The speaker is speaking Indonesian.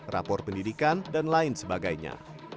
rapor pendidikan dan lain sebagainya